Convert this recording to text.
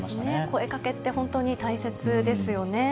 声かけって本当に大切ですよね。